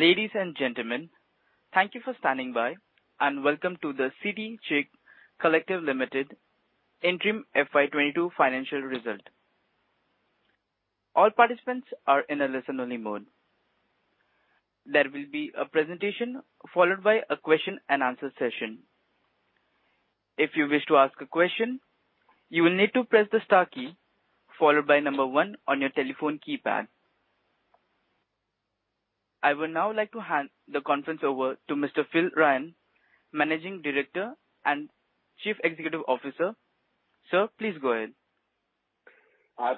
Ladies and gentlemen, thank you for standing by, and welcome to the City Chic Collective Limited interim FY 2022 financial result. All participants are in a listen-only mode. There will be a presentation followed by a question and answer session. If you wish to ask a question, you will need to press the star key followed by one on your telephone keypad. I would now like to hand the conference over to Mr. Phil Ryan, Managing Director and Chief Executive Officer. Sir, please go ahead.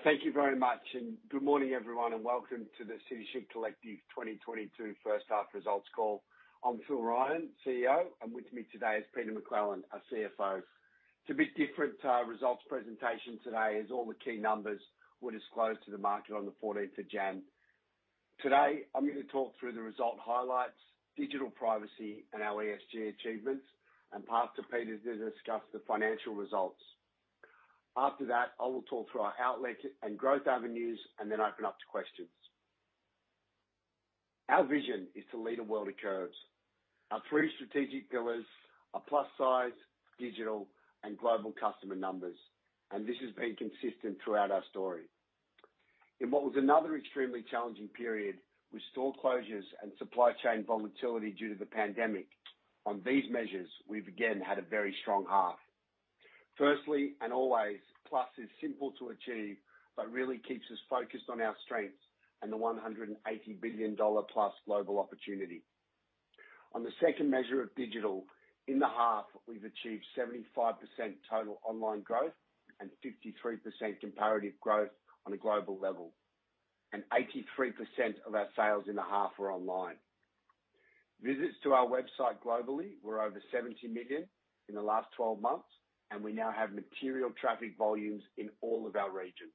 Thank you very much. Good morning, everyone, and welcome to the City Chic Collective 2022 first half results call. I'm Phil Ryan, CEO, and with me today is Peter McClelland, our CFO. It's a bit different results presentation today, as all the key numbers were disclosed to the market on the 14th of January. Today, I'm gonna talk through the result highlights, digital privacy and our ESG achievements, and pass to Peter to discuss the financial results. After that, I will talk through our outlook and growth avenues and then open up to questions. Our vision is to lead a world of curves. Our three strategic pillars are plus size, digital, and global customer numbers, and this has been consistent throughout our story. In what was another extremely challenging period with store closures and supply chain volatility due to the pandemic, on these measures we've again had a very strong half. Firstly, and always, plus is simple to achieve but really keeps us focused on our strengths and the $180 billion-plus global opportunity. On the second measure of digital, in the half, we've achieved 75% total online growth and 53% comparative growth on a global level. 83% of our sales in the half were online. Visits to our website globally were over 70 million in the last 12 months, and we now have material traffic volumes in all of our regions.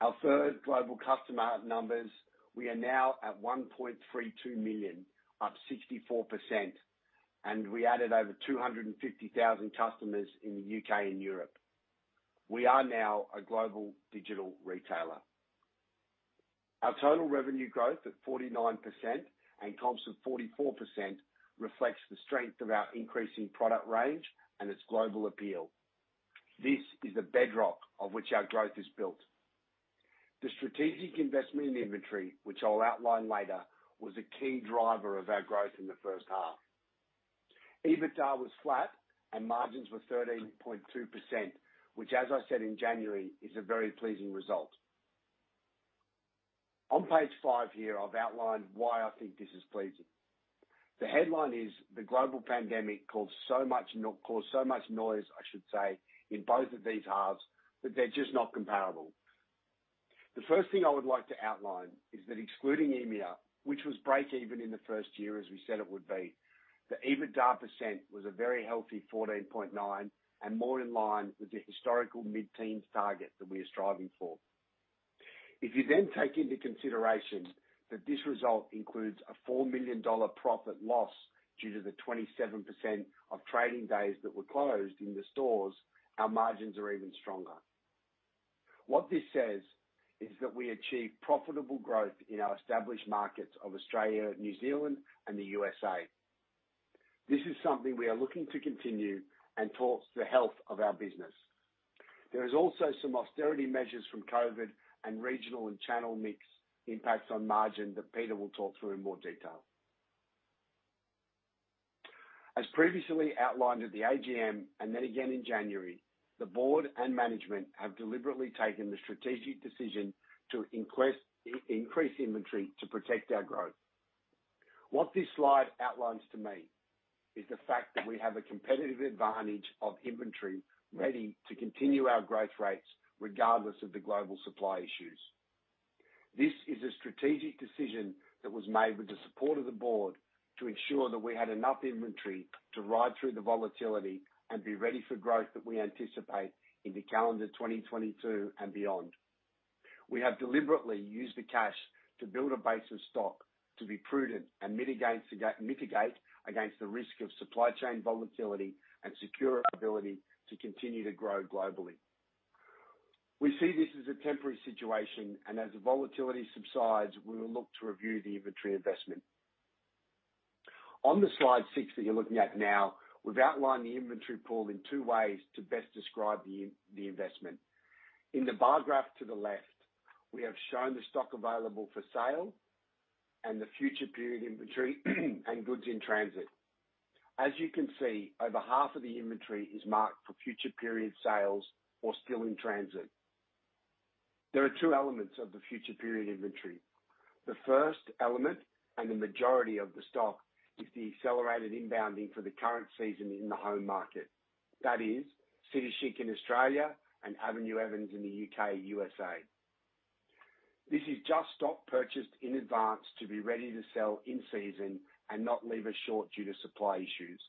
Our third global customer numbers. We are now at 1.32 million, up 64%, and we added over 250,000 customers in the U.K. and Europe. We are now a global digital retailer. Our total revenue growth of 49% and comps of 44% reflects the strength of our increasing product range and its global appeal. This is the bedrock on which our growth is built. The strategic investment in inventory, which I'll outline later, was a key driver of our growth in the first half. EBITDA was flat and margins were 13.2%, which as I said in January, is a very pleasing result. On page five here, I've outlined why I think this is pleasing. The headline is. The global pandemic caused so much noise, I should say, in both of these halves that they're just not comparable. The first thing I would like to outline is that excluding EMEA, which was break-even in the first year as we said it would be, the EBITDA % was a very healthy 14.9 and more in line with the historical mid-teens target that we are striving for. If you then take into consideration that this result includes a $4 million profit loss due to the 27% of trading days that were closed in the stores, our margins are even stronger. What this says is that we achieved profitable growth in our established markets of Australia, New Zealand, and the USA. This is something we are looking to continue and talks to the health of our business. There is also some austerity measures from COVID and regional and channel mix impacts on margin that Peter will talk through in more detail. As previously outlined at the AGM and then again in January, the board and management have deliberately taken the strategic decision to increase inventory to protect our growth. What this slide outlines to me is the fact that we have a competitive advantage of inventory ready to continue our growth rates regardless of the global supply issues. This is a strategic decision that was made with the support of the board to ensure that we had enough inventory to ride through the volatility and be ready for growth that we anticipate into calendar 2022 and beyond. We have deliberately used the cash to build a base of stock to be prudent and mitigate against the risk of supply chain volatility and secure our ability to continue to grow globally. We see this as a temporary situation, and as the volatility subsides, we will look to review the inventory investment. On the slide six that you're looking at now, we've outlined the inventory pool in two ways to best describe the investment. In the bar graph to the left, we have shown the stock available for sale and the future period inventory and goods in transit. As you can see, over half of the inventory is marked for future period sales or still in transit. There are two elements of the future period inventory. The first element, and the majority of the stock, is the accelerated inbounding for the current season in the home market. That is City Chic in Australia and Avenue and Evans in the U.K., U.S.A. This is just stock purchased in advance to be ready to sell in season and not leave us short due to supply issues.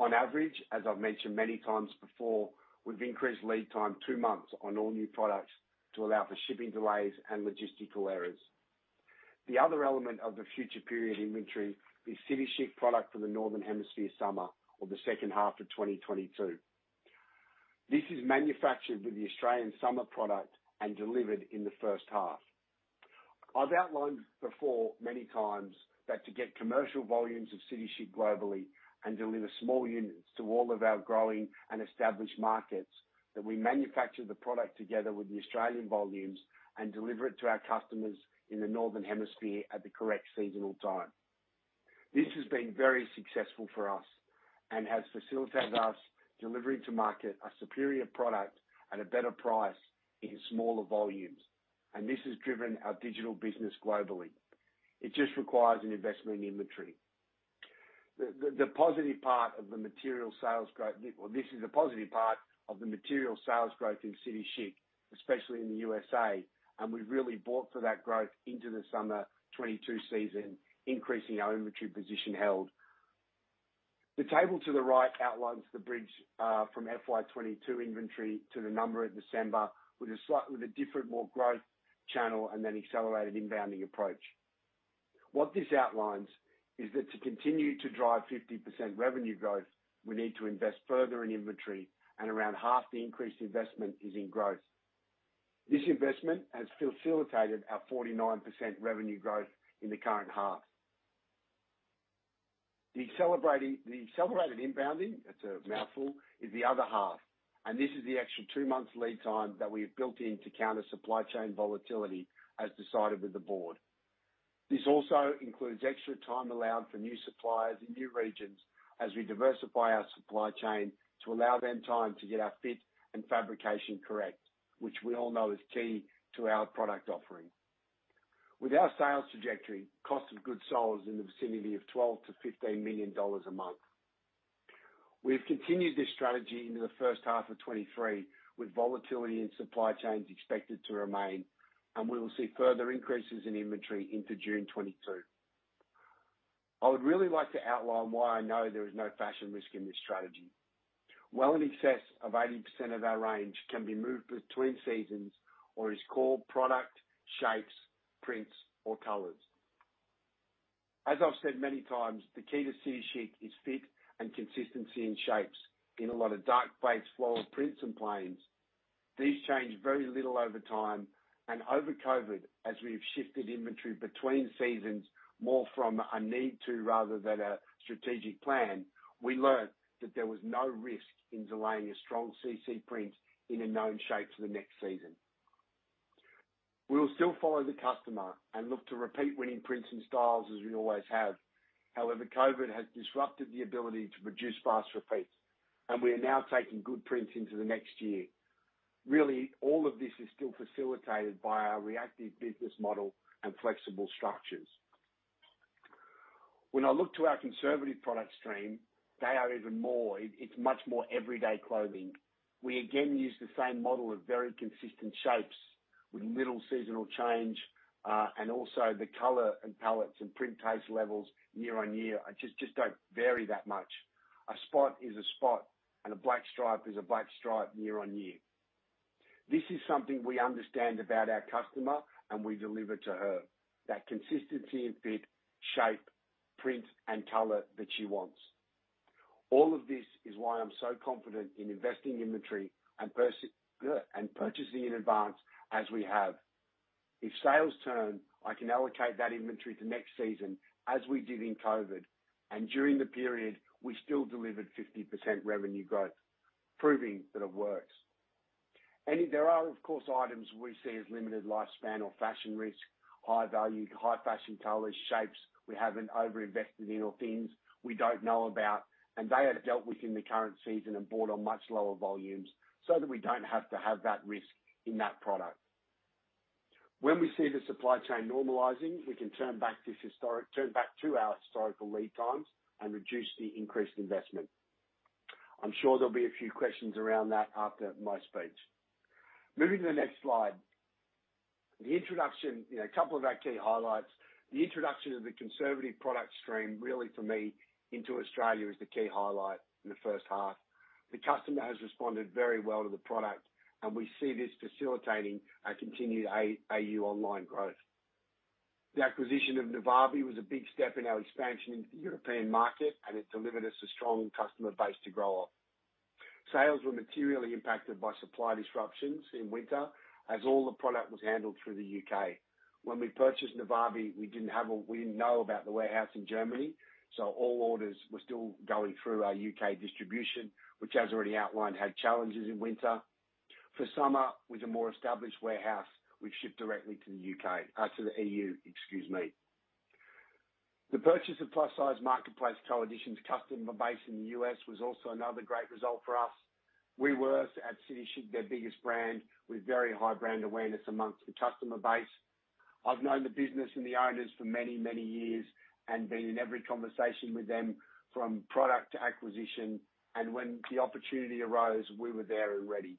On average, as I've mentioned many times before, we've increased lead time 2 months on all new products to allow for shipping delays and logistical errors. The other element of the future period inventory is City Chic product for the Northern Hemisphere summer or the second half of 2022. This is manufactured with the Australian summer product and delivered in the first half. I've outlined before many times that to get commercial volumes of City Chic globally and deliver small units to all of our growing and established markets, that we manufacture the product together with the Australian volumes and deliver it to our customers in the Northern Hemisphere at the correct seasonal time. This has been very successful for us and has facilitated us delivering to market a superior product at a better price in smaller volumes, and this has driven our digital business globally. It just requires an investment in inventory. Well, this is a positive part of the material sales growth in City Chic, especially in the USA, and we've really bought for that growth into the summer 2022 season, increasing our inventory position held. The table to the right outlines the bridge from FY 2022 inventory to the number in December, with a different, more growth channel and then accelerated inbounding approach. What this outlines is that to continue to drive 50% revenue growth, we need to invest further in inventory, and around half the increased investment is in growth. This investment has facilitated our 49% revenue growth in the current half. The accelerated inbounding, that's a mouthful, is the other half, and this is the extra 2 months lead time that we have built in to counter supply chain volatility as decided with the board. This also includes extra time allowed for new suppliers in new regions as we diversify our supply chain to allow them time to get our fit and fabrication correct, which we all know is key to our product offering. With our sales trajectory, cost of goods sold is in the vicinity of $12 million-$15 million a month. We've continued this strategy into the first half of 2023, with volatility in supply chains expected to remain, and we will see further increases in inventory into June 2022. I would really like to outline why I know there is no fashion risk in this strategy. Well, in excess of 80% of our range can be moved between seasons or is core product shapes, prints or colors. As I've said many times, the key to City Chic is fit and consistency in shapes. In a lot of dark base floral prints and plains, these change very little over time and over COVID. As we've shifted inventory between seasons more from a need to rather than a strategic plan, we learned that there was no risk in delaying a strong CC print in a known shape for the next season. We will still follow the customer and look to repeat winning prints and styles as we always have. However, COVID has disrupted the ability to produce fast repeats, and we are now taking good prints into the next year. Really, all of this is still facilitated by our reactive business model and flexible structures. When I look to our conservative product stream, they are even more everyday clothing. We again use the same model of very consistent shapes with little seasonal change, and also the color palettes and print taste levels year-on-year just don't vary that much. A spot is a spot, and a black stripe is a black stripe year-on-year. This is something we understand about our customer, and we deliver to her that consistency in fit, shape, print and color that she wants. All of this is why I'm so confident in investing inventory and purchasing in advance as we have. If sales turn, I can allocate that inventory to next season as we did in COVID, and during the period, we still delivered 50% revenue growth, proving that it works. There are of course, items we see as limited lifespan or fashion risk, high-value, high-fashion colors, shapes we haven't over-invested in or things we don't know about, and they are dealt with in the current season and bought on much lower volumes so that we don't have to have that risk in that product. When we see the supply chain normalizing, we can turn back to our historical lead times and reduce the increased investment. I'm sure there'll be a few questions around that after my speech. Moving to the next slide. The introduction, you know, a couple of our key highlights. The introduction of the conservative product stream really for me into Australia is the key highlight in the first half. The customer has responded very well to the product, and we see this facilitating a continued AU online growth. The acquisition of Navabi was a big step in our expansion into the European market, and it delivered us a strong customer base to grow off. Sales were materially impacted by supply disruptions in winter as all the product was handled through the U.K. When we purchased Navabi, we didn't know about the warehouse in Germany, so all orders were still going through our U.K. distribution, which, as already outlined, had challenges in winter. For summer, with a more established warehouse, we've shipped directly to the U.K., to the E.U. Excuse me. The purchase of plus-size marketplace Coedition's customer base in the U.S. was also another great result for us. We were City Chic, their biggest brand with very high brand awareness among the customer base. I've known the business and the owners for many, many years and been in every conversation with them from product to acquisition. When the opportunity arose, we were there and ready.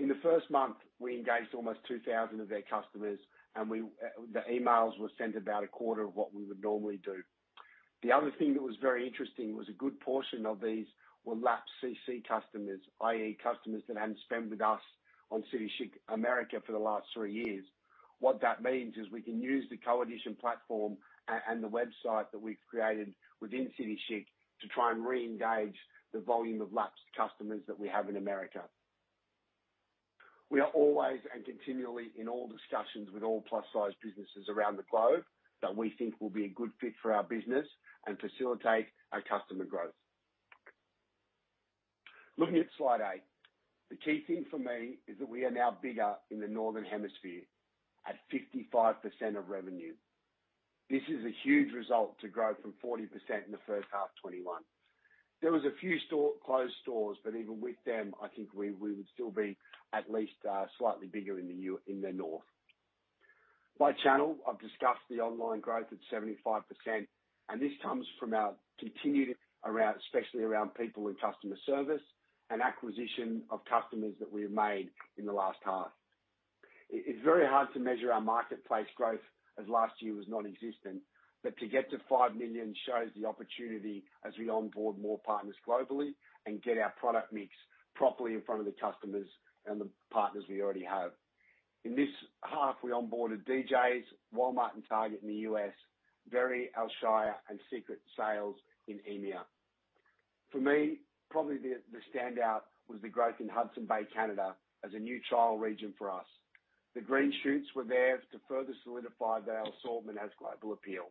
In the first month, we engaged almost 2,000 of their customers, and we, the emails were sent about a quarter of what we would normally do. The other thing that was very interesting was a good portion of these were lapsed CC customers, i.e., customers that hadn't spent with us on City Chic USA for the last three years. What that means is we can use the Coedition platform and the website that we've created within City Chic to try and re-engage the volume of lapsed customers that we have in America. We are always and continually in all discussions with all plus-size businesses around the globe that we think will be a good fit for our business and facilitate our customer growth. Looking at slide 8. The key thing for me is that we are now bigger in the Northern Hemisphere at 55% of revenue. This is a huge result to grow from 40% in the first half 2021. There was a few closed stores, but even with them, I think we would still be at least slightly bigger in the north. By channel, I've discussed the online growth at 75%, and this comes from our continued around, especially around people in customer service and acquisition of customers that we have made in the last half. It's very hard to measure our marketplace growth as last year was nonexistent, but to get to 5 million shows the opportunity as we onboard more partners globally and get our product mix properly in front of the customers and the partners we already have. In this half, we onboarded DJS, Walmart, and Target in the U.S., Very, Alshaya, and Secret Sales in EMEA. For me, probably the standout was the growth in Hudson's Bay, Canada as a new trial region for us. The green shoots were there to further solidify that our assortment has global appeal.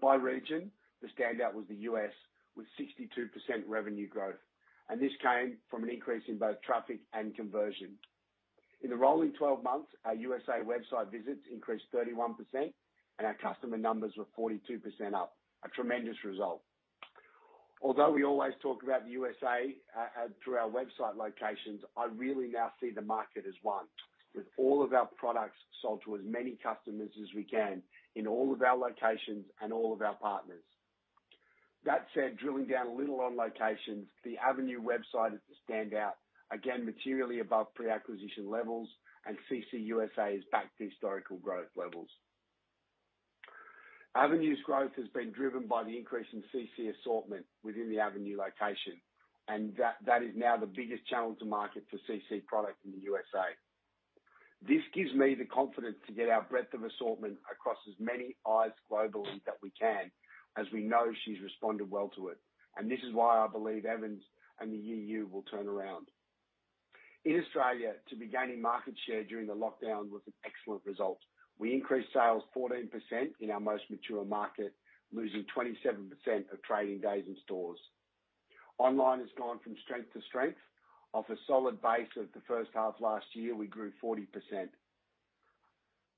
By region, the standout was the U.S. with 62% revenue growth, and this came from an increase in both traffic and conversion. In the rolling twelve months, our U.S. website visits increased 31%, and our customer numbers were 42% up, a tremendous result. Although we always talk about the U.S., through our website locations, I really now see the market as one, with all of our products sold to as many customers as we can in all of our locations and all of our partners. That said, drilling down a little on locations, the Avenue website is the standout, again, materially above pre-acquisition levels, and CC USA is back to historical growth levels. Avenue's growth has been driven by the increase in CC assortment within the Avenue location, and that is now the biggest channel to market for CC product in the USA. This gives me the confidence to get our breadth of assortment across as many eyes globally that we can, as we know she's responded well to it, and this is why I believe Evans and the EU will turn around. In Australia, to be gaining market share during the lockdown was an excellent result. We increased sales 14% in our most mature market, losing 27% of trading days in stores. Online has gone from strength to strength. Off a solid base of the first half last year, we grew 40%.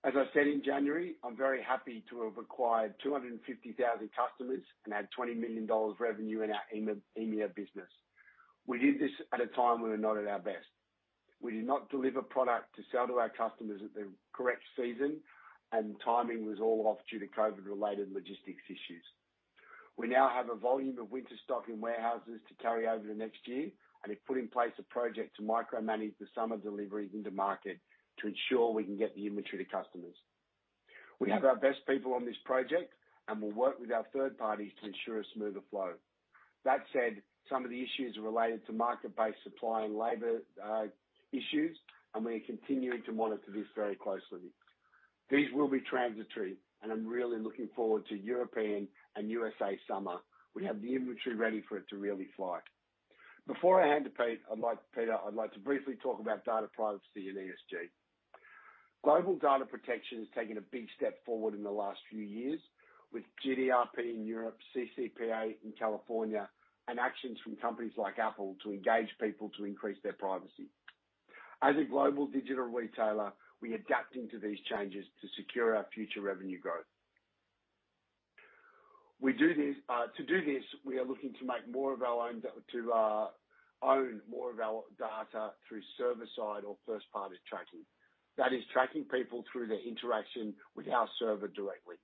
As I said in January, I'm very happy to have acquired 250,000 customers and add $20 million revenue in our EMEA business. We did this at a time when we're not at our best. We did not deliver product to sell to our customers at the correct season, and timing was all off due to COVID-related logistics issues. We now have a volume of winter stock in warehouses to carry over to next year and have put in place a project to micromanage the summer deliveries into market to ensure we can get the inventory to customers. We have our best people on this project, and we'll work with our third parties to ensure a smoother flow. That said, some of the issues are related to market-based supply and labor issues, and we're continuing to monitor this very closely. These will be transitory, and I'm really looking forward to European and USA summer. We have the inventory ready for it to really fly. Before I hand to Peter McClelland, I'd like to briefly talk about data privacy and ESG. Global data protection has taken a big step forward in the last few years with GDPR in Europe, CCPA in California, and actions from companies like Apple to engage people to increase their privacy. As a global digital retailer, we are adapting to these changes to secure our future revenue growth. We do this. To do this, we are looking to own more of our data through server-side or first-party tracking. That is tracking people through their interaction with our server directly.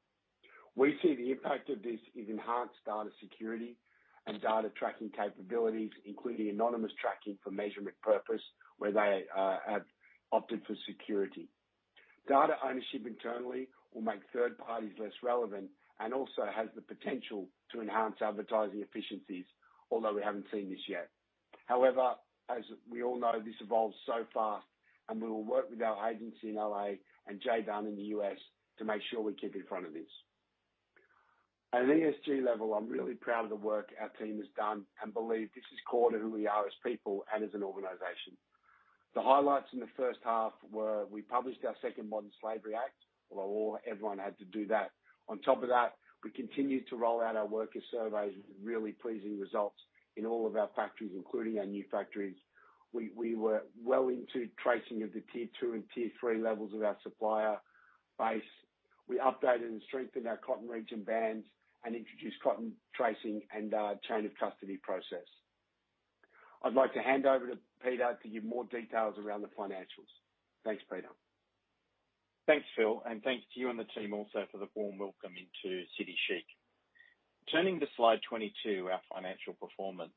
We see the impact of this is enhanced data security and data tracking capabilities, including anonymous tracking for measurement purpose, where they have opted for security. Data ownership internally will make third parties less relevant and also has the potential to enhance advertising efficiencies, although we haven't seen this yet. However, as we all know, this evolves so fast, and we will work with our agency in L.A. and JDM in the U.S. to make sure we keep in front of this. At an ESG level, I'm really proud of the work our team has done and believe this is core to who we are as people and as an organization. The highlights in the first half were we published our second Modern Slavery Act, although everyone had to do that. On top of that, we continued to roll out our worker surveys with really pleasing results in all of our factories, including our new factories. We were well into tracing of the tier two and tier three levels of our supplier base. We updated and strengthened our cotton region bans and introduced cotton tracing and chain of custody process. I'd like to hand over to Peter to give more details around the financials. Thanks, Peter. Thanks, Phil, and thanks to you and the team also for the warm welcome into City Chic. Turning to slide 22, our financial performance.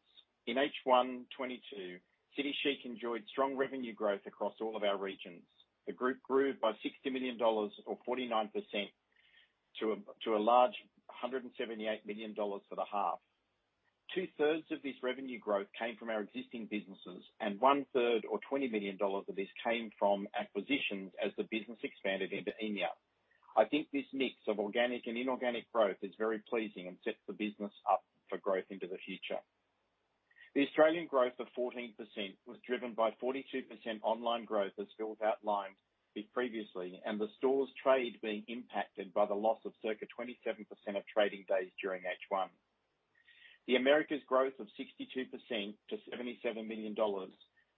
In H1 2022, City Chic enjoyed strong revenue growth across all of our regions. The group grew by 60 million dollars or 49% to a total of 178 million dollars for the half. Two-thirds of this revenue growth came from our existing businesses, and one-third or 20 million dollars of this came from acquisitions as the business expanded into EMEA. I think this mix of organic and inorganic growth is very pleasing and sets the business up for growth into the future. The Australian growth of 14% was driven by 42% online growth, as Phil has outlined previously, and the stores trade being impacted by the loss of circa 27% of trading days during H1. America's growth of 62% to $77 million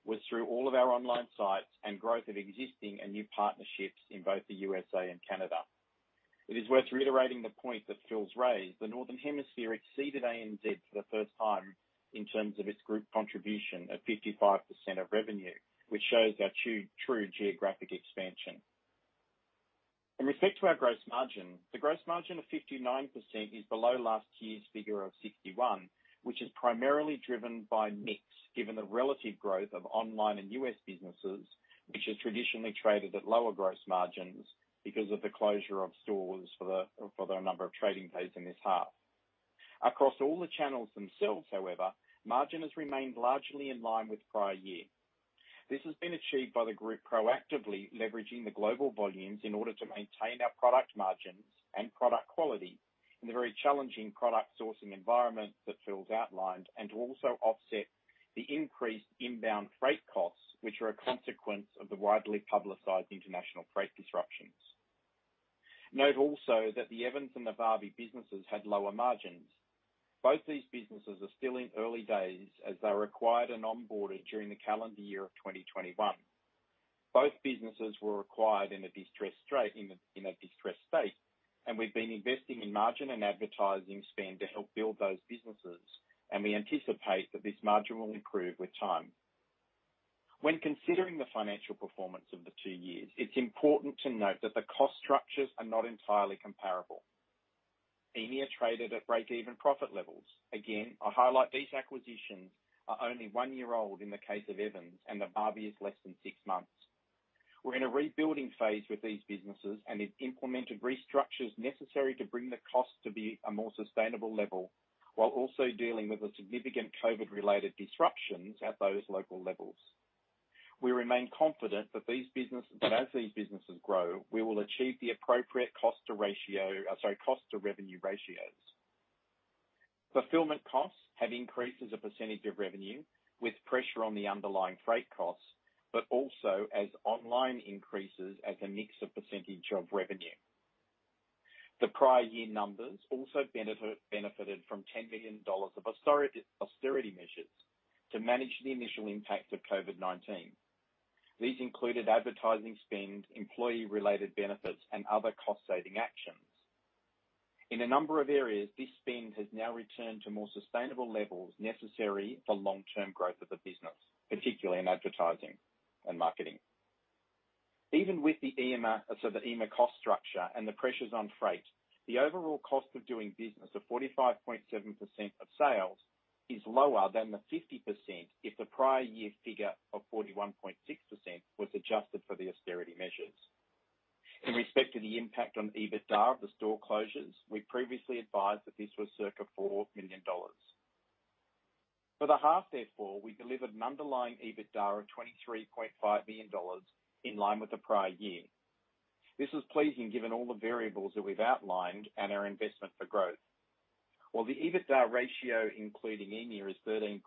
was through all of our online sites and growth of existing and new partnerships in both the USA and Canada. It is worth reiterating the point that Phil's raised. The Northern Hemisphere exceeded ANZ for the first time in terms of its group contribution of 55% of revenue, which shows our true geographic expansion. In respect to our gross margin, the gross margin of 59% is below last year's figure of 61, which is primarily driven by mix, given the relative growth of online and U.S. businesses, which has traditionally traded at lower gross margins because of the closure of stores for the number of trading days in this half. Across all the channels themselves, however, margin has remained largely in line with prior year. This has been achieved by the group proactively leveraging the global volumes in order to maintain our product margins and product quality in the very challenging product sourcing environment that Phil's outlined, and to also offset the increased inbound freight costs, which are a consequence of the widely publicized international freight disruptions. Note also that the Evans and the Navabi businesses had lower margins. Both these businesses are still in early days as they were acquired and onboarded during the calendar year of 2021. Both businesses were acquired in a distressed state, and we've been investing in margin and advertising spend to help build those businesses, and we anticipate that this margin will improve with time. When considering the financial performance of the two years, it's important to note that the cost structures are not entirely comparable. EMEA traded at break-even profit levels. Again, I highlight these acquisitions are only one year old in the case of Evans, and Navabi is less than six months. We're in a rebuilding phase with these businesses, and have implemented restructures necessary to bring the cost to be a more sustainable level, while also dealing with the significant COVID-related disruptions at those local levels. We remain confident that as these businesses grow, we will achieve the appropriate cost to revenue ratios. Fulfillment costs have increased as a percentage of revenue with pressure on the underlying freight costs, but also as online increases as a mix of percentage of revenue. The prior year numbers also benefited from 10 million dollars of austerity measures to manage the initial impact of COVID-19. These included advertising spend, employee-related benefits, and other cost-saving actions. In a number of areas, this spend has now returned to more sustainable levels necessary for long-term growth of the business, particularly in advertising and marketing. Even with the SG&A cost structure and the pressures on freight, the overall cost of doing business of 45.7% of sales is lower than the 50% if the prior year figure of 41.6% was adjusted for the austerity measures. In respect to the impact on EBITDA of the store closures, we previously advised that this was circa 4 million dollars. For the half therefore, we delivered an underlying EBITDA of 23.5 million dollars in line with the prior year. This is pleasing given all the variables that we've outlined and our investment for growth. While the EBITDA ratio including EMEA is 13.2%,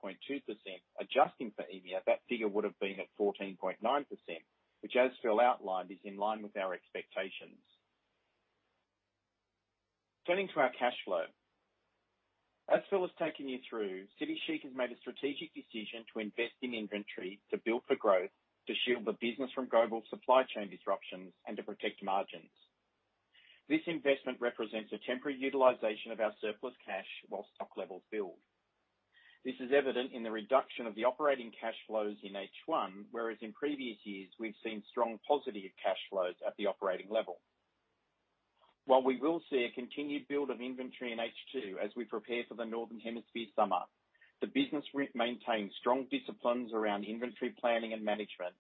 adjusting for EMEA, that figure would have been at 14.9%, which as Phil outlined, is in line with our expectations. Turning to our cash flow. As Phil has taken you through, City Chic has made a strategic decision to invest in inventory to build for growth, to shield the business from global supply chain disruptions, and to protect margins. This investment represents a temporary utilization of our surplus cash while stock levels build. This is evident in the reduction of the operating cash flows in H1, whereas in previous years we've seen strong positive cash flows at the operating level. While we will see a continued build of inventory in H2 as we prepare for the Northern Hemisphere summer, the business maintains strong disciplines around inventory planning and management,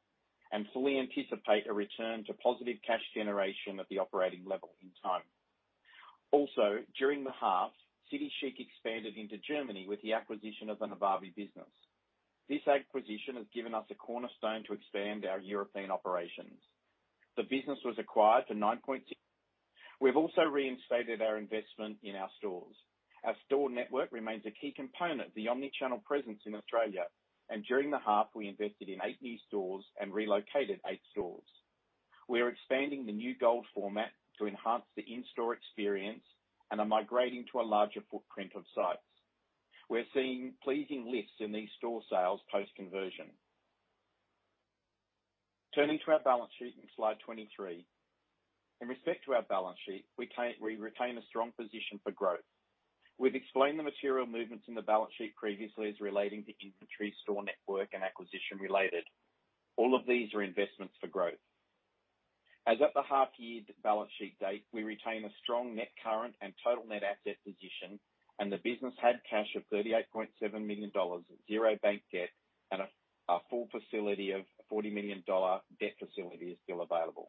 and we fully anticipate a return to positive cash generation at the operating level in time. During the half, City Chic expanded into Germany with the acquisition of the Navabi business. This acquisition has given us a cornerstone to expand our European operations. The business was acquired for 9.6. We've also reinstated our investment in our stores. Our store network remains a key component of the omni-channel presence in Australia, and during the half we invested in eight new stores and relocated eight stores. We are expanding the new gold format to enhance the in-store experience and are migrating to a larger footprint of sites. We're seeing pleasing lifts in these store sales post-conversion. Turning to our balance sheet in slide 23. In respect to our balance sheet, we retain a strong position for growth. We've explained the material movements in the balance sheet previously as relating to inventory, store network, and acquisition-related. All of these are investments for growth. As at the half year's balance sheet date, we retain a strong net current and total net asset position, and the business had cash of 38.7 million dollars, zero bank debt, and a full facility of 40 million dollar debt facility is still available.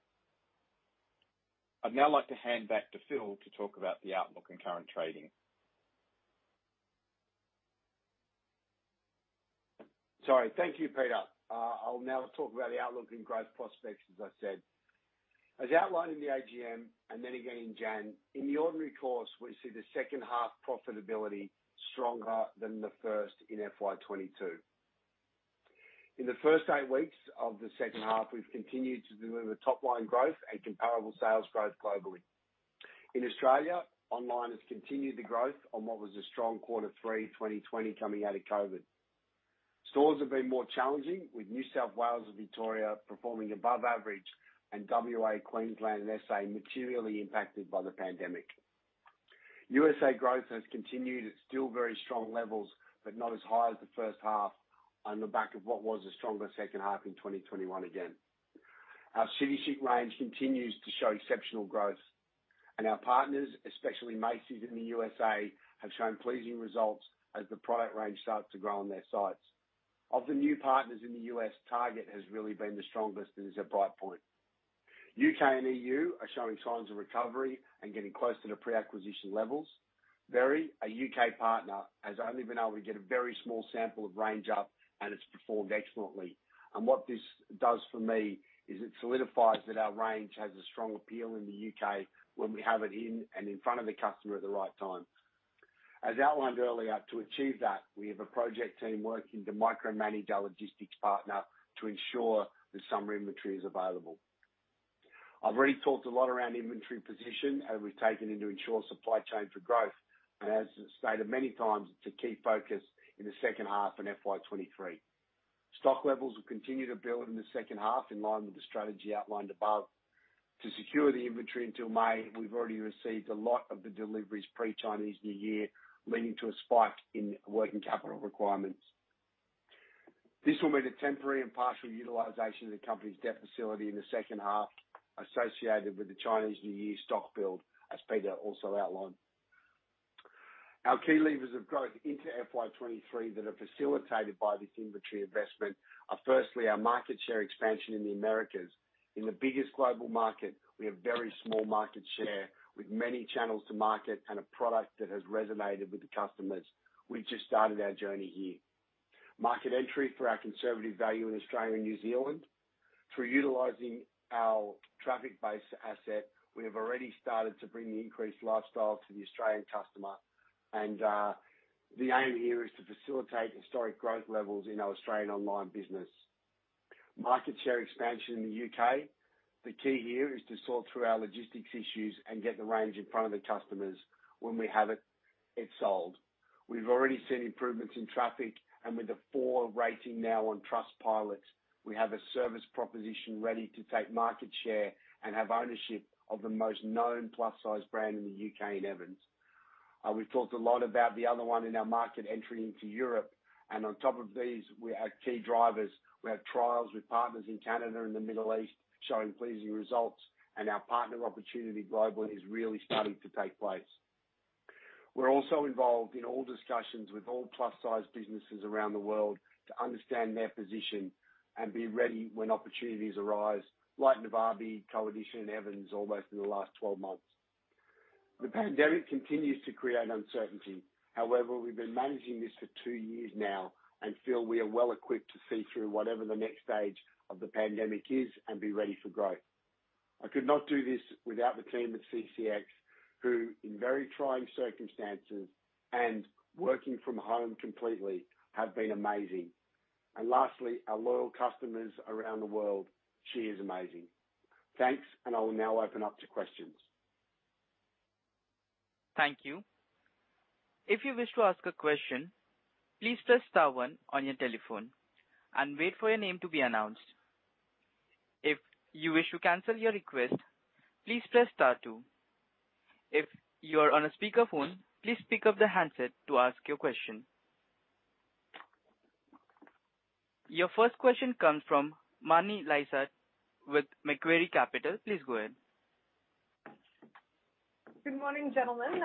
I'd now like to hand back to Phil to talk about the outlook and current trading. Sorry. Thank you, Peter. I'll now talk about the outlook and growth prospects, as I said. As outlined in the AGM, and then again in January, in the ordinary course, we see the second half profitability stronger than the first in FY 2022. In the first 8 weeks of the second half, we've continued to deliver top line growth and comparable sales growth globally. In Australia, online has continued the growth on what was a strong quarter 3 2020 coming out of COVID. Stores have been more challenging with New South Wales and Victoria performing above average and WA, Queensland, and SA materially impacted by the pandemic. U.S. growth has continued at still very strong levels, but not as high as the first half on the back of what was a stronger second half in 2021 again. Our City Chic range continues to show exceptional growth, and our partners, especially Macy's in the U.S., have shown pleasing results as the product range starts to grow on their sites. Of the new partners in the U.S., Target has really been the strongest and is a bright point. U.K. and EU are showing signs of recovery and getting closer to pre-acquisition levels. Very, a U.K. partner, has only been able to get a very small sample of range up, and it's performed excellently. What this does for me is it solidifies that our range has a strong appeal in the U.K. when we have it in and in front of the customer at the right time. As outlined earlier, to achieve that, we have a project team working to micromanage our logistics partner to ensure that summer inventory is available. I've already talked a lot around the inventory position, and we've taken in to ensure supply chain for growth. As stated many times, it's a key focus in the second half in FY 2023. Stock levels will continue to build in the second half in line with the strategy outlined above. To secure the inventory until May, we've already received a lot of the deliveries pre-Chinese New Year, leading to a spike in working capital requirements. This will mean a temporary and partial utilization of the company's debt facility in the second half associated with the Chinese New Year stock build, as Peter also outlined. Our key levers of growth into FY 2023 that are facilitated by this inventory investment are firstly our market share expansion in the Americas. In the biggest global market, we have very small market share with many channels to market and a product that has resonated with the customers. We've just started our journey here. Market entry for our conservative value in Australia and New Zealand. Through utilizing our traffic-based asset, we have already started to bring the increased lifestyle to the Australian customer. The aim here is to facilitate historic growth levels in our Australian online business. Market share expansion in the U.K.. The key here is to sort through our logistics issues and get the range in front of the customers. When we have it's sold. We've already seen improvements in traffic, and with a four rating now on Trustpilot, we have a service proposition ready to take market share and have ownership of the most known plus-size brand in the U.K. in Evans. We've talked a lot about the other one in our market entry into Europe. On top of these, we have key drivers. We have trials with partners in Canada and the Middle East showing pleasing results, and our partner opportunity globally is really starting to take place. We're also involved in all discussions with all plus-size businesses around the world to understand their position and be ready when opportunities arise, like Navabi, Coedition, and Evans almost in the last 12 months. The pandemic continues to create uncertainty. However, we've been managing this for 2 years now and feel we are well equipped to see through whatever the next stage of the pandemic is and be ready for growth. I could not do this without the team at CCX, who in very trying circumstances and working from home completely have been amazing. Lastly, our loyal customers around the world. She is amazing. Thanks, and I will now open up to questions. Thank you. If you wish to ask a question, please press star one on your telephone and wait for your name to be announced. If you wish to cancel your request, please press star two. If you are on a speakerphone, please pick up the handset to ask your question. Your first question comes from Marni Lysaght with Macquarie Capital. Please go ahead. Good morning, gentlemen.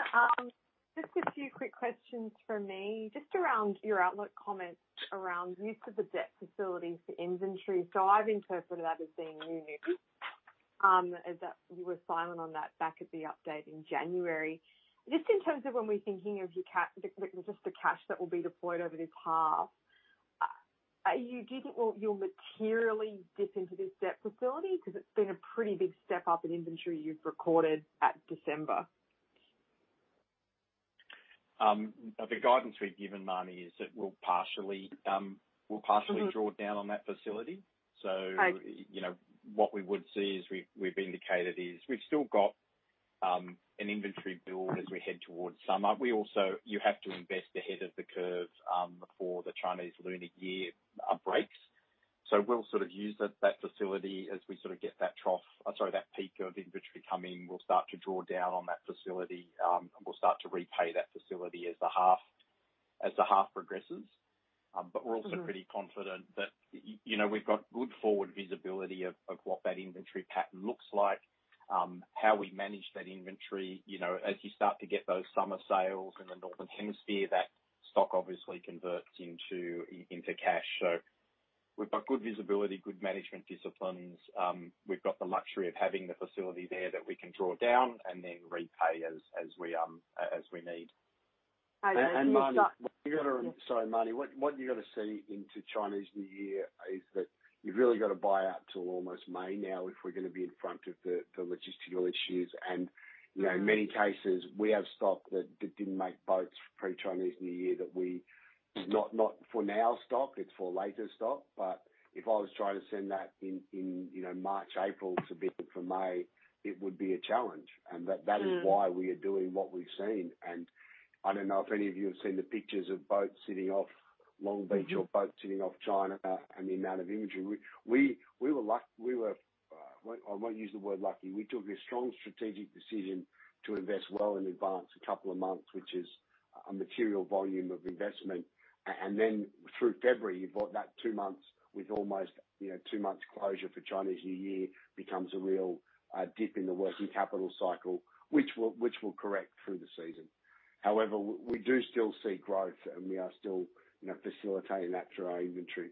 Just a few quick questions from me, just around your outlook comments around use of the debt facilities for inventory. I've interpreted that as being new news, in that you were silent on that back at the update in January. Just in terms of when we're thinking of your cash with just the cash that will be deployed over this half, do you think you'll materially dip into this debt facility? 'Cause it's been a pretty big step up in inventory you've recorded at December. The guidance we've given, Marni, is that we'll partially. Mm-hmm. draw down on that facility. Okay. You know, what we would see is we've indicated we've still got an inventory build as we head towards summer. You have to invest ahead of the curve before the Chinese New Year breaks. We'll sort of use that facility as we sort of get that peak of inventory coming. We'll start to draw down on that facility, and we'll start to repay that facility as the half progresses. We're also Mm-hmm. Pretty confident that, you know, we've got good forward visibility of what that inventory pattern looks like, how we manage that inventory. You know, as you start to get those summer sales in the Northern Hemisphere, that stock obviously converts into cash. We've got good visibility, good management disciplines. We've got the luxury of having the facility there that we can draw down and then repay as we need. Okay. You've got Marni, what you gotta see into Chinese New Year is that you've really gotta buy up till almost May now if we're gonna be in front of the logistical issues. You know, in many cases, we have stock that didn't make boats for pre-Chinese New Year. It's not for now stock, it's for later stock. But if I was trying to send that in, you know, March, April to be there for May, it would be a challenge. Mm. that is why we are doing what we've seen. I don't know if any of you have seen the pictures of boats sitting off Long Beach. Mm-hmm. Cargo boats sitting off China and the amount of inventory. We were. I won't use the word lucky. We took a strong strategic decision to invest well in advance a couple of months, which is a material volume of investment. Then through February, you've got that two months with almost, you know, two months closure for Chinese New Year becomes a real dip in the working capital cycle, which will correct through the season. However, we do still see growth, and we are still, you know, facilitating that through our inventory.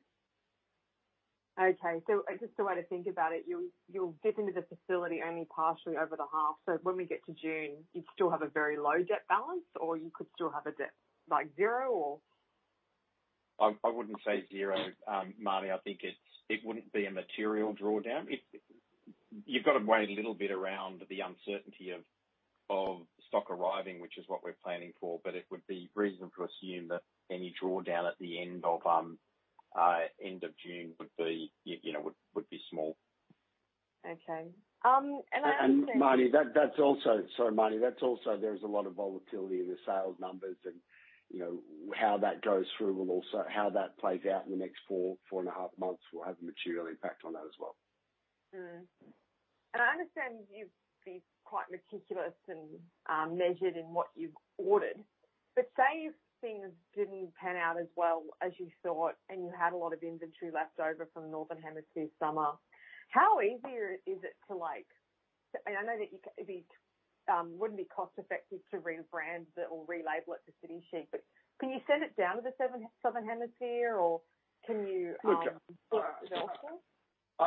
Okay. Just a way to think about it, you'll dip into the facility only partially over the half. When we get to June, you'd still have a very low debt balance, or you could still have a debt like zero, or? I wouldn't say zero, Marni. I think it wouldn't be a material drawdown. You've gotta wait a little bit around the uncertainty of stock arriving, which is what we're planning for. It would be reasonable to assume that any drawdown at the end of June would be, you know, small. Okay. I understand. Marnie, that's also. Sorry, Marnie. There's a lot of volatility in the sales numbers and, you know, how that plays out in the next four and a half months will have a material impact on that as well. I understand you've been quite meticulous and measured in what you've ordered. Say if things didn't pan out as well as you thought and you had a lot of inventory left over from the Northern Hemisphere summer, how easy is it, like, I know that it wouldn't be cost-effective to rebrand it or relabel it to City Chic, but can you send it down to the Southern Hemisphere, or can you Look, I Source it elsewhere?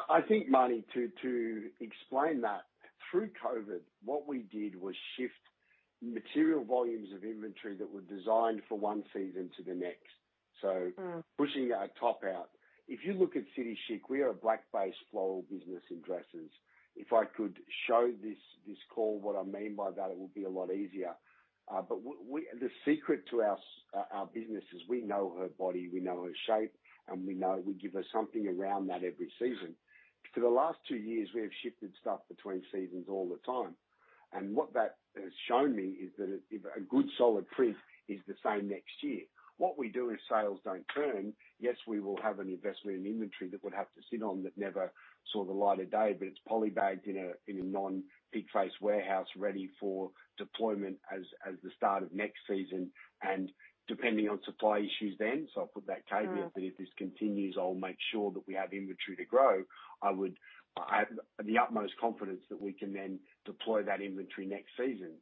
I think, Marni, to explain that, through COVID, what we did was shift material volumes of inventory that were designed for one season to the next. Mm. Pushing our top out. If you look at City Chic, we are a black-based floral business in dresses. If I could show this on this call what I mean by that, it would be a lot easier. But the secret to our business is we know her body, we know her shape, and we know we give her something around that every season. For the last two years, we have shifted stuff between seasons all the time, and what that has shown me is that if a good solid print is the same next year, what we do if sales don't turn, yes, we will have an investment in inventory that would have to sit on that never saw the light of day, but it's poly-bagged in a non-peak phase warehouse ready for deployment as the start of next season and depending on supply issues then. I'll put that caveat. Mm. that if this continues, I'll make sure that we have inventory to grow. I have the utmost confidence that we can then deploy that inventory next season.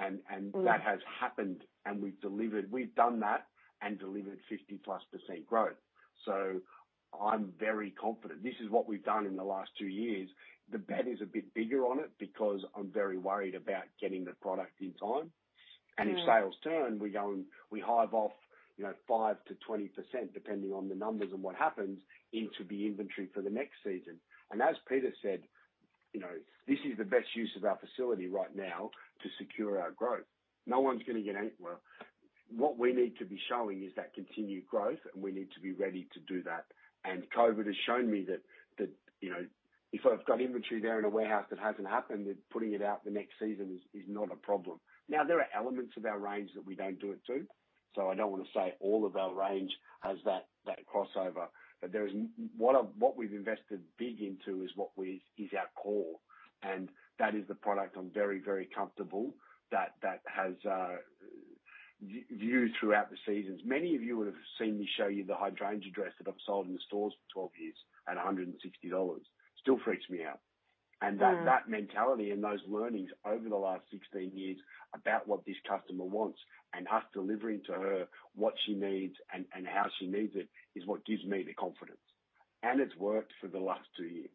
Mm. That has happened, and we've delivered. We've done that and delivered 50%+ growth. I'm very confident. This is what we've done in the last two years. The bet is a bit bigger on it because I'm very worried about getting the product in time. Mm. If sales turn, we go and we hive off, you know, 5%-20%, depending on the numbers and what happens, into the inventory for the next season. As Peter said, you know, this is the best use of our facility right now to secure our growth. Well, what we need to be showing is that continued growth, and we need to be ready to do that. COVID has shown me that, you know, if I've got inventory there in a warehouse that hasn't happened, then putting it out the next season is not a problem. There are elements of our range that we don't do it to, so I don't wanna say all of our range has that crossover. There is... What we've invested big into is our core, and that is the product I'm very, very comfortable that has held value throughout the seasons. Many of you would have seen me show you the hydrangea dress that I've sold in the stores for 12 years at 160 dollars. Still freaks me out. Mm. That mentality and those learnings over the last 16 years about what this customer wants and us delivering to her what she needs and how she needs it is what gives me the confidence. It's worked for the last two years.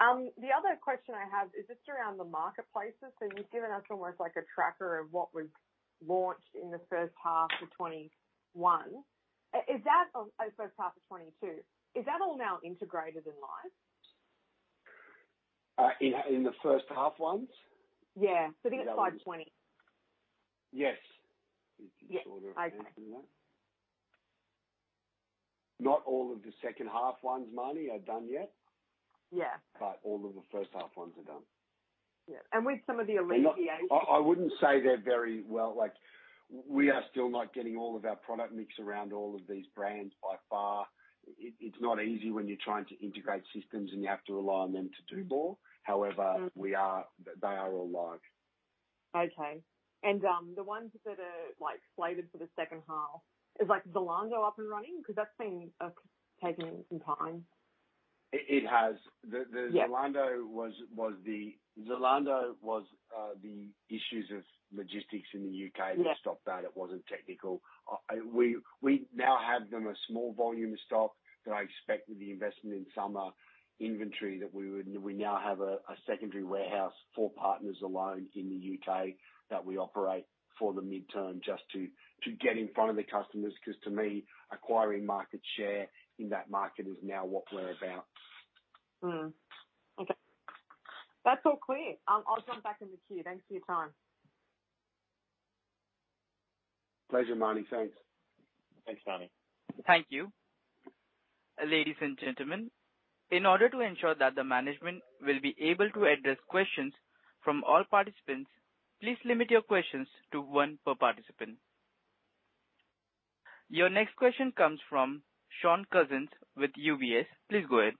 The other question I have is just around the marketplaces. You've given us almost like a tracker of what was launched in the first half of 2022. Is that all now integrated and live? In the first half ones? Yeah. I think it's 5:20. Yes. Yeah. Okay. Sort of advanced in that. Not all of the second half ones, Marni, are done yet. Yeah. All of the first half ones are done. Yeah. With some of the affiliations. I wouldn't say they're very well. Like, we are still not getting all of our product mix around all of these brands by far. It's not easy when you're trying to integrate systems and you have to rely on them to do more. Mm. However, they are all live. Okay. The ones that are, like, slated for the second half, is like Zalando up and running? 'Cause that's been taking some time. It has. Yeah. Zalando was the issues of logistics in the U.K. Yeah That stopped that. It wasn't technical. We now have them as a small volume stock that I expect with the investment in summer inventory. We now have a secondary warehouse for partners only in the U.K. that we operate for the medium term just to get in front of the customers. To me, acquiring market share in that market is now what we're about. Okay. That's all clear. I'll jump back in the queue. Thanks for your time. Pleasure, Marni. Thanks. Thanks, Marni. Thank you. Ladies and gentlemen, in order to ensure that the management will be able to address questions from all participants, please limit your questions to one per participant. Your next question comes from Shaun Cousins with UBS. Please go ahead.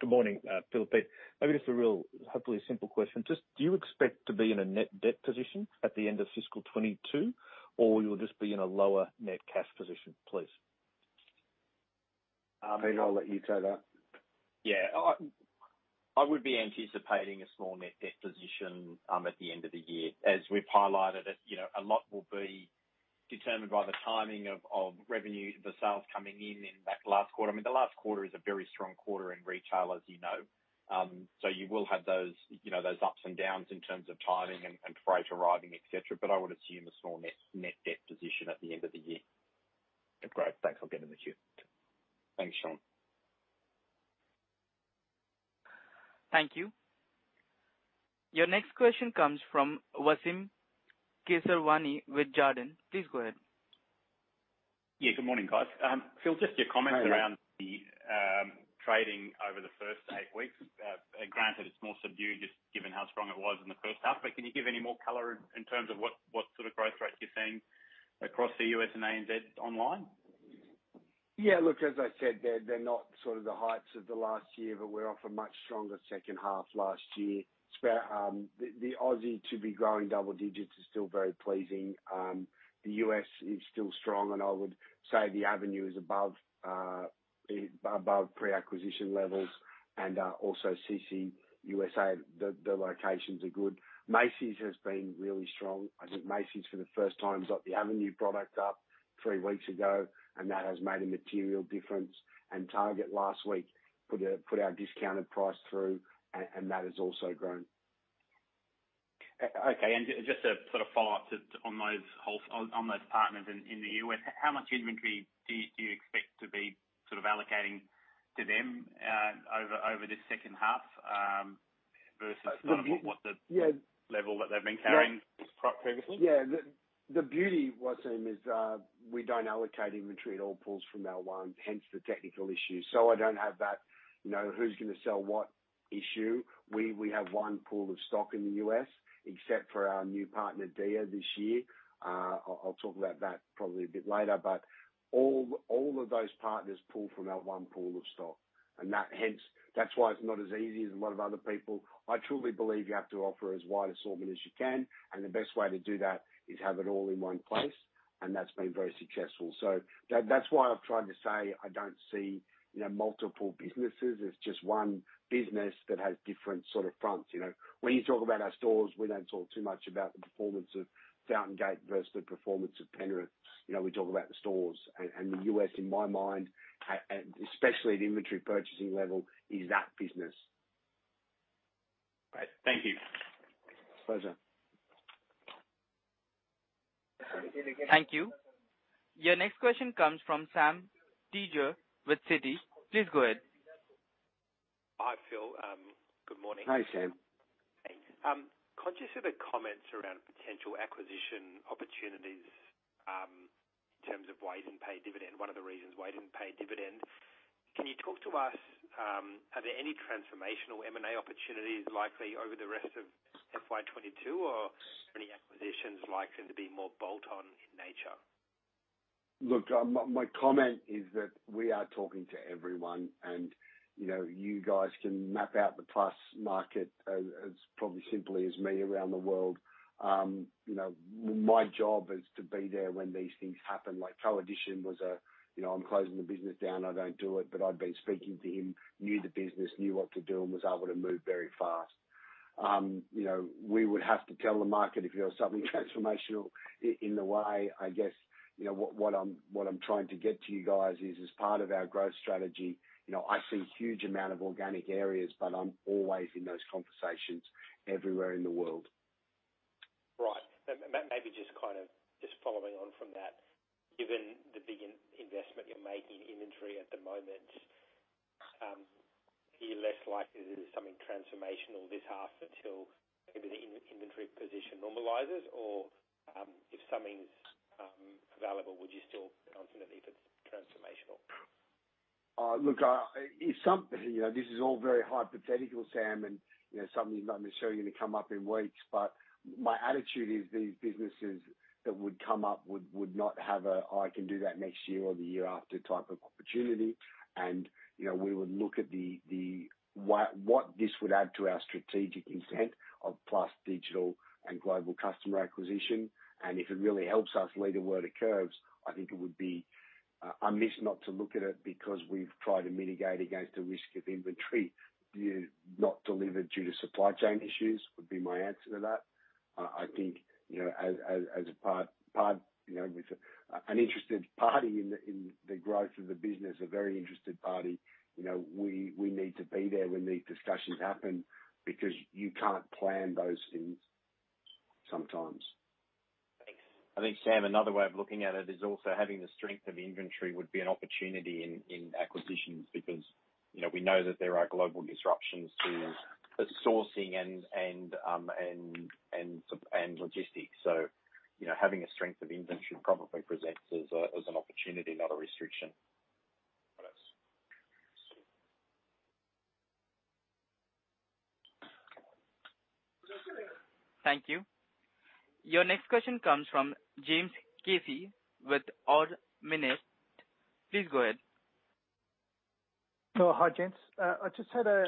Good morning, Phil. Maybe just a real, hopefully simple question. Just do you expect to be in a net debt position at the end of FY 2022, or you'll just be in a lower net cash position, please? Peter, I'll let you take that. Yeah. I would be anticipating a small net debt position at the end of the year. As we've highlighted it, you know, a lot will be determined by the timing of revenue, the sales coming in in that last quarter. I mean, the last quarter is a very strong quarter in retail, as you know. You will have those, you know, those ups and downs in terms of timing and freight arriving, et cetera. I would assume a small net debt position at the end of the year. Great. Thanks. I'll get in the queue. Thanks, Shaun. Thank you. Your next question comes from Wasim Kisirwani with Jarden. Please go ahead. Yeah, good morning, guys. Phil, just your comments around the trading over the first 8 weeks. Granted, it's more subdued just given how strong it was in the first half, but can you give any more color in terms of what sort of growth rates you're seeing across the U.S. and ANZ online? Yeah. Look, as I said, they're not sort of the heights of the last year, but we're off a much stronger second half last year. It's about the Aussie to be growing double digits is still very pleasing. The U.S. is still strong, and I would say the Avenue is above pre-acquisition levels. Also CC USA, the locations are good. Macy's has been really strong. I think Macy's, for the first time, has got the Avenue product up three weeks ago, and that has made a material difference. Target last week put our discounted price through, and that has also grown. Okay. Just a sort of follow-up on those partners in the U.S. How much inventory do you expect to be sort of allocating to them over this second half versus sort of what the- Yeah. -level that they've been carrying previously? Yeah. The beauty, Wasim, is we don't allocate inventory. It all pulls from our one, hence the technical issue. I don't have that, you know, who's gonna sell what issue. We have one pool of stock in the U.S., except for our new partner, Dia, this year. I'll talk about that probably a bit later. All of those partners pull from our one pool of stock. That's why it's not as easy as a lot of other people. I truly believe you have to offer as wide assortment as you can, and the best way to do that is have it all in one place, and that's been very successful. That's why I've tried to say I don't see, you know, multiple businesses. It's just one business that has different sort of fronts, you know. When you talk about our stores, we don't talk too much about the performance of Fountaingate versus the performance of Penrith. You know, we talk about the stores. The U.S., in my mind, and especially at inventory purchasing level, is that business. Great. Thank you. Pleasure. Thank you. Your next question comes from Sam Teeger with Citi. Please go ahead. Hi, Phil. Good morning. Hi, Sam. Thanks. Conscious of the comments around potential acquisition opportunities, in terms of why you didn't pay a dividend, one of the reasons why you didn't pay a dividend. Can you talk to us, are there any transformational M&A opportunities likely over the rest of FY 2022 or any acquisitions likely to be more bolt-on in nature? Look, my comment is that we are talking to everyone and, you know, you guys can map out the Plus market as probably simply as me around the world. You know, my job is to be there when these things happen. Like Coedition was a, you know, I'm closing the business down, I don't do it. But I'd been speaking to him, knew the business, knew what to do, and was able to move very fast. You know, we would have to tell the market if there was something transformational in the way. I guess, you know, what I'm trying to get to you guys is as part of our growth strategy, you know, I see huge amount of organic areas, but I'm always in those conversations everywhere in the world. Right. Maybe just kind of just following on from that. Given the big investment you're making in inventory at the moment, are you less likely to do something transformational this half until maybe the inventory position normalizes? Or, if something's available, would you still jump into it even if it's transformational? Look, if something. You know, this is all very hypothetical, Sam, and you know, something's not necessarily gonna come up in weeks. My attitude is these businesses that would come up would not have a I can do that next year or the year after type of opportunity. You know, we would look at the what this would add to our strategic intent of plus, digital, and global customer acquisition. If it really helps us lead the way to curves, I think it would be a miss not to look at it because we've tried to mitigate against the risk of inventory not delivered due to supply chain issues. That would be my answer to that. I think, you know, as a part, you know, with an interested party in the growth of the business, a very interested party, you know, we need to be there when these discussions happen because you can't plan those things sometimes. Thanks. I think, Sam, another way of looking at it is also having the strength of inventory would be an opportunity in acquisitions because, you know, we know that there are global disruptions to the sourcing and logistics. You know, having a strength of inventory probably presents as an opportunity, not a restriction. Thanks. Sure. Thank you. Your next question comes from James Casey with Ord Minnett. Please go ahead. Oh, hi, gents. I just had a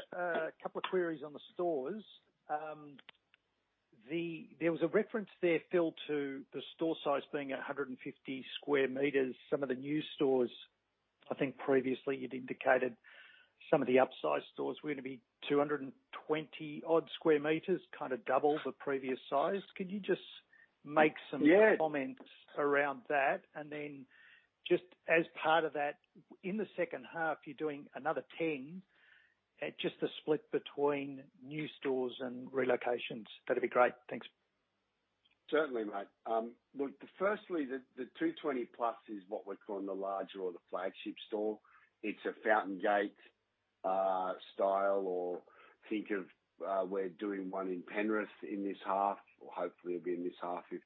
couple of queries on the stores. There was a reference there, Phil, to the store size being 150 sq m. Some of the new stores, I think previously you'd indicated some of the upsized stores were gonna be 220-odd sq m, kinda double the previous size. Can you just make some- Yeah. Any comments around that? Just as part of that, in the second half, you're doing another 10. Just the split between new stores and relocations, that'd be great. Thanks. Certainly, mate. Well, firstly, the +220 is what we're calling the larger or the flagship store. It's a Fountain Gate style or think of, we're doing one in Penrith in this half, or hopefully it'll be in this half if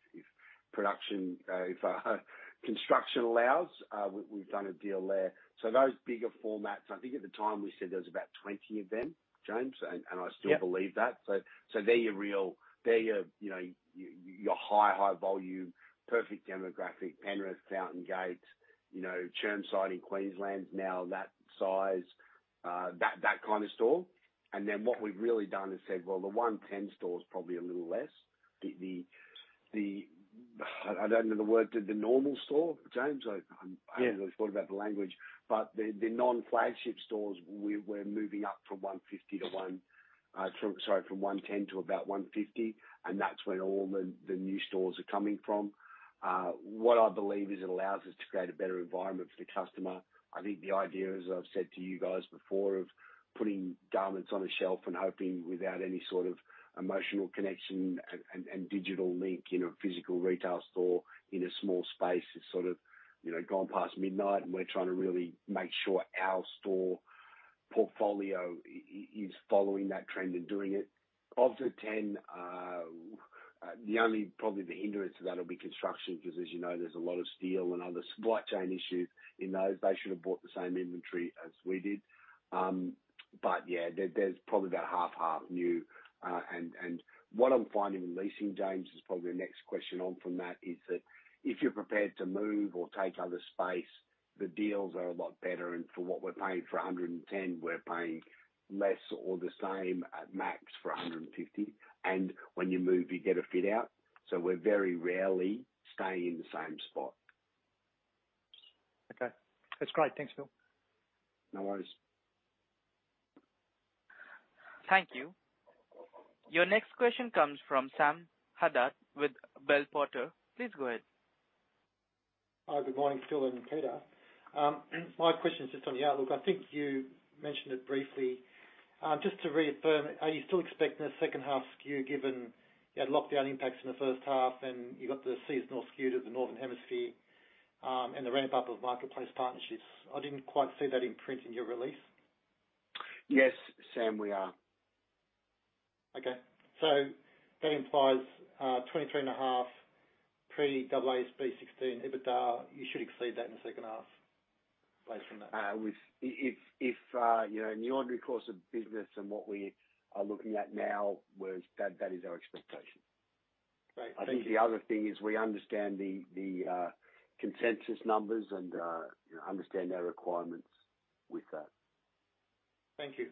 construction allows. We've done a deal there. Those bigger formats, I think at the time we said there was about 20 of them, James. I still- Yeah. Believe that. They're your real, you know, your high volume, perfect demographic, Penrith, Fountain Gate, you know, Chermside in Queensland now that size, that kind of store. What we've really done is said, well, the 110 store is probably a little less. I don't know the word. The normal store, James. I Yeah. Haven't really thought about the language, but the non-flagship stores we're moving up from 110 to about 150, and that's where all the new stores are coming from. What I believe is it allows us to create a better environment for the customer. I think the idea, as I've said to you guys before, of putting garments on a shelf and hoping without any sort of emotional connection and digital link in a physical retail store in a small space is sort of, you know, gone past midnight and we're trying to really make sure our store portfolio is following that trend and doing it. Of the 10, the only probably the hindrance to that'll be construction, 'cause as you know, there's a lot of steel and other supply chain issues in those. They should have bought the same inventory as we did. But yeah, there's probably about half new. What I'm finding in leasing, James, is probably the next question on from that, is that if you're prepared to move or take other space, the deals are a lot better. For what we're paying for 110, we're paying less or the same at max for 150. When you move, you get a fit out. We're very rarely staying in the same spot. Okay. That's great. Thanks, Phil. No worries. Thank you. Your next question comes from Sam Haddad with Bell Potter. Please go ahead. Hi, good morning, Phil and Peter. My question is just on the outlook. I think you mentioned it briefly. Just to reaffirm, are you still expecting a second half skew given you had lockdown impacts in the first half and you got the seasonal skew to the Northern Hemisphere, and the ramp up of marketplace partnerships? I didn't quite see that imprint in your release. Yes, Sam, we are. Okay. That implies 23.5 pre AASB 16 EBITDA. You should exceed that in the second half based on that. You know, in the ordinary course of business and what we are looking at now was that is our expectation. Great. Thank you. I think the other thing is we understand the consensus numbers and you know understand our requirements with that. Thank you.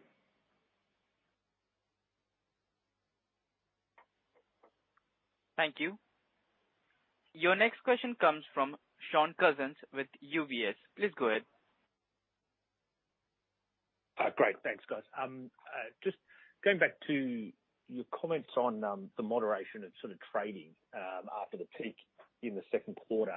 Thank you. Your next question comes from Shaun Cousins with UBS. Please go ahead. Great. Thanks, guys. Just going back to your comments on the moderation and sort of trading after the peak in the second quarter.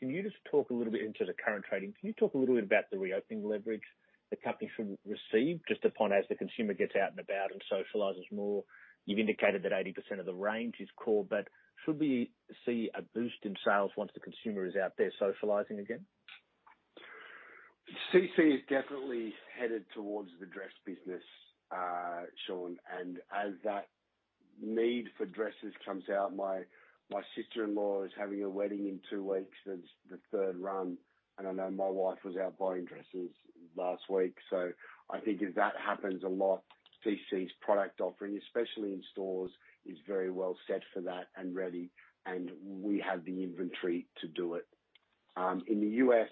Can you just talk a little bit about the current trading? Can you talk a little bit about the reopening leverage the company should receive just as the consumer gets out and about and socializes more? You've indicated that 80% of the range is core, but should we see a boost in sales once the consumer is out there socializing again? CC is definitely headed towards the dress business, Shaun, and as that need for dresses comes out, my sister-in-law is having a wedding in two weeks. That's the third run, and I know my wife was out buying dresses last week. I think if that happens a lot, CC's product offering, especially in stores, is very well set for that and ready, and we have the inventory to do it. In the U.S.,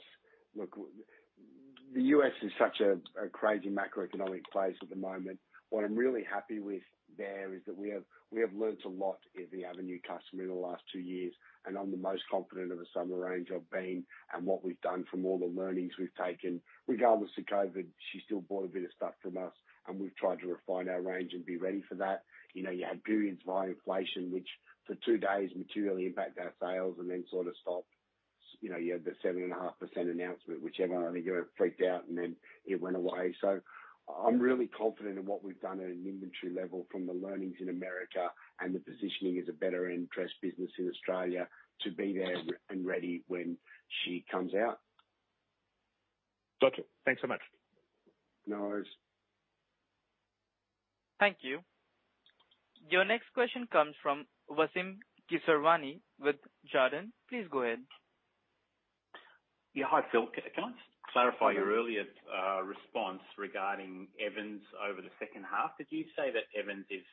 the U.S. is such a crazy macroeconomic place at the moment. What I'm really happy with there is that we have learnt a lot in the Avenue customer in the last two years, and I'm the most confident of the summer range I've been, and what we've done from all the learnings we've taken. Regardless of COVID, she still bought a bit of stuff from us, and we've tried to refine our range and be ready for that. You know, you had periods of high inflation, which for two days materially impacted our sales and then sort of stopped. You know, you had the 7.5% announcement, whichever, and everyone freaked out, and then it went away. I'm really confident in what we've done at an inventory level from the learnings in America and the positioning as a better-end dress business in Australia to be there and ready when she comes out. Gotcha. Thanks so much. No worries. Thank you. Your next question comes from Wasim Kisirwani with Jarden. Please go ahead. Yeah. Hi, Phil. Can I clarify? Hello. Your earlier response regarding Evans over the second half? Did you say that Evans is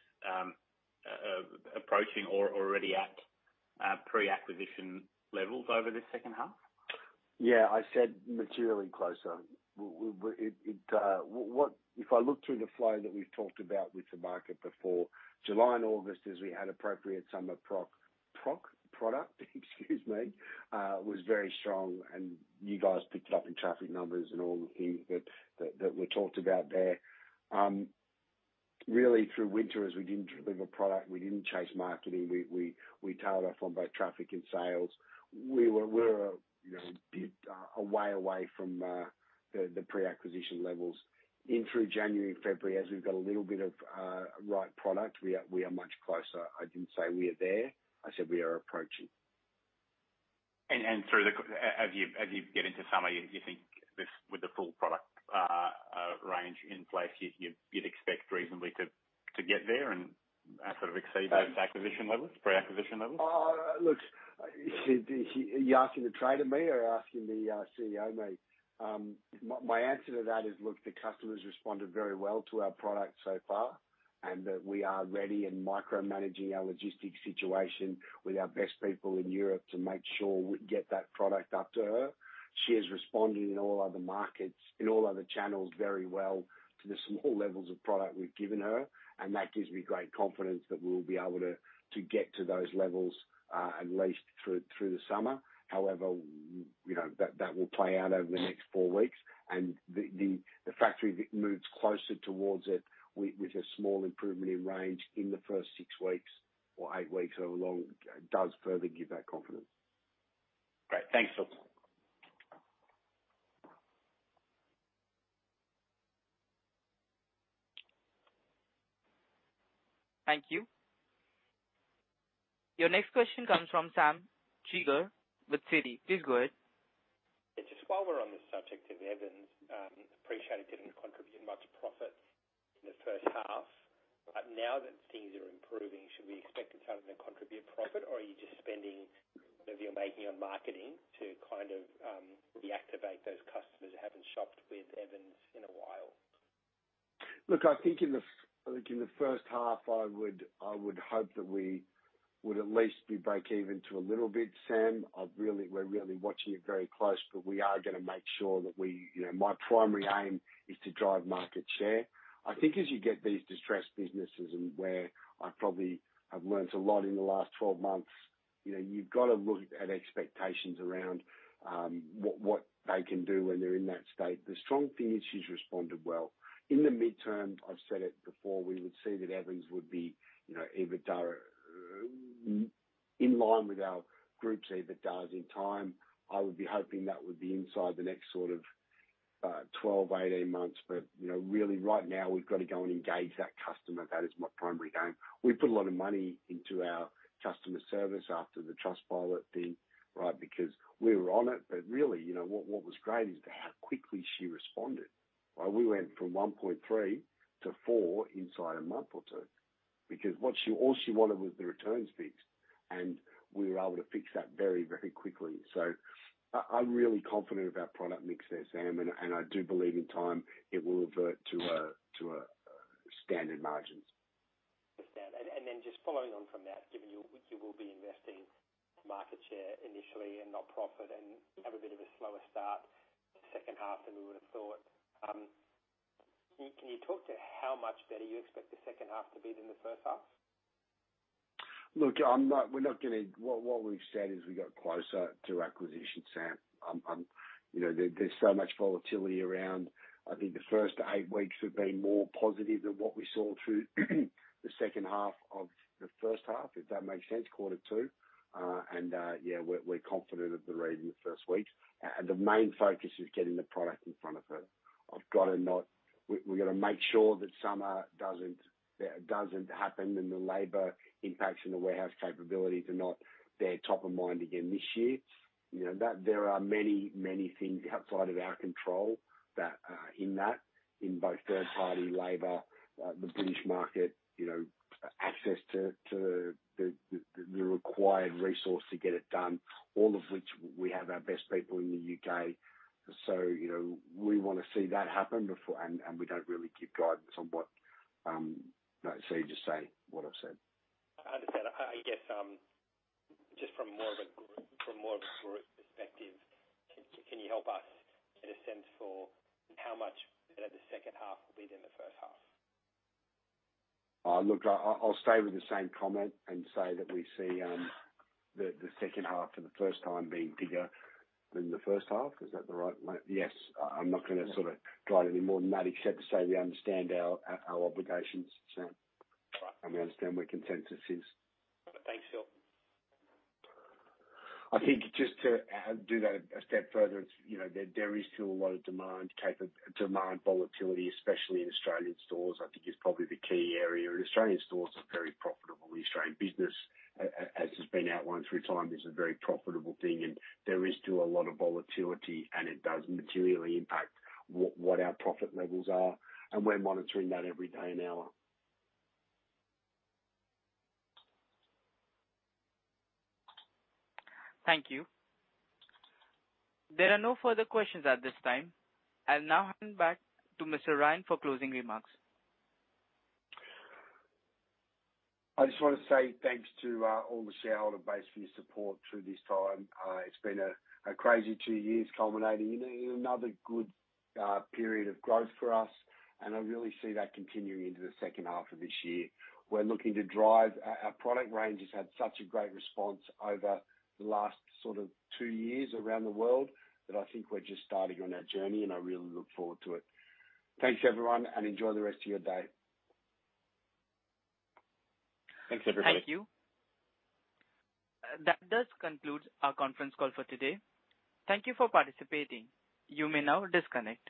approaching or already at pre-acquisition levels over the second half? Yeah, I said materially closer. If I look through the flow that we've talked about with the market before July and August, we had appropriate summer product, which was very strong, and you guys picked it up in traffic numbers and all the things that we talked about there. Really through winter, as we didn't deliver product, we didn't chase marketing, we tailed off on both traffic and sales. We were, you know, a bit away from the pre-acquisition levels. In through January and February, as we've got a little bit of right product, we are much closer. I didn't say we are there. I said we are approaching. As you get into summer, you think this with the full product range in place, you'd expect reasonably to get there and sort of exceed those acquisition levels, pre-acquisition levels? Oh, look, are you asking the trader me or asking the CEO me? My answer to that is, look, the customer has responded very well to our product so far, and that we are ready and micromanaging our logistics situation with our best people in Europe to make sure we get that product up to her. She has responded in all other markets, in all other channels very well to the small levels of product we've given her, and that gives me great confidence that we'll be able to get to those levels at least through the summer. However, you know, that will play out over the next four weeks. The factory moves closer towards it with a small improvement in range in the first six weeks or eight weeks, however long, does further give that confidence. Great. Thanks, Phil. Thank you. Your next question comes from Sam Teeger with Citi. Please go ahead. Just while we're on the subject of Evans, I appreciate it didn't contribute much profit in the first half. Now that things are improving, should we expect it to then contribute profit, or are you just spending whatever you're making on marketing to kind of reactivate those customers who haven't shopped with Evans in a while? Look, I think in the first half, I would hope that we would at least be break even to a little bit, Sam. We're really watching it very close, but we are gonna make sure that we, you know, my primary aim is to drive market share. I think as you get these distressed businesses and where I probably have learned a lot in the last twelve months, you know, you've got to look at expectations around what they can do when they're in that state. The strong thing is she's responded well. In the midterm, I've said it before, we would see that Evans would be, you know, EBITDA in line with our group's EBITDA in time. I would be hoping that would be inside the next sort of 12, 18 months. You know, really right now we've got to go and engage that customer. That is my primary aim. We put a lot of money into our customer service after the Trustpilot thing, right? Because we were on it. Really, you know, what was great is how quickly she responded. Well, we went from 1.3 to 4 inside a month or two because all she wanted was the returns fixed, and we were able to fix that very, very quickly. I'm really confident about product mix there, Sam, and I do believe in time it will revert to a standard margins. Understand. Then just following on from that, given you will be investing for market share initially and not profit and have a bit of a slower start second half than we would have thought, can you talk to how much better you expect the second half to be than the first half? Look, what we've said is we got closer to acquisition, Sam. You know, there's so much volatility around. I think the first eight weeks have been more positive than what we saw through the second half of the first half, if that makes sense, quarter two. Yeah, we're confident of the rate in the first week. The main focus is getting the product in front of her. We've got to make sure that summer doesn't happen and the labor impacts in the warehouse capabilities are not there top of mind again this year. You know that there are many, many things outside of our control that in both third-party labor, the British market, you know, access to the required resource to get it done, all of which we have our best people in the U.K. We want to see that happen before we don't really give guidance on what. You just say what I've said. I understand. I guess. Just from more of a group perspective, can you help us get a sense for how much better the second half will be than the first half? Look, I'll stay with the same comment and say that we see the second half for the first time being bigger than the first half. Is that right? Yes. I'm not gonna sort of drive any more than that, except to say we understand our obligations, Sam. Right. We understand where consensus is. Thanks, Phil. I think just to do that a step further, it's, you know, there is still a lot of demand volatility, especially in Australian stores, I think is probably the key area. Australian stores are very profitable. The Australian business, as has been outlined through time, is a very profitable thing, and there is still a lot of volatility, and it does materially impact what our profit levels are. We're monitoring that every day and hour. Thank you. There are no further questions at this time. I'll now hand back to Mr. Ryan for closing remarks. I just wanna say thanks to all the shareholder base for your support through this time. It's been a crazy two years culminating in another good period of growth for us, and I really see that continuing into the second half of this year. Our product range has had such a great response over the last sort of two years around the world that I think we're just starting on that journey, and I really look forward to it. Thanks, everyone, and enjoy the rest of your day. Thanks, everybody. Thank you. That does conclude our conference call for today. Thank you for participating. You may now disconnect.